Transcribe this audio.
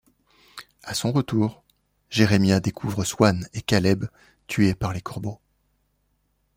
À son retour, Jeremiah découvre Swan et Caleb tués par les Corbeaux.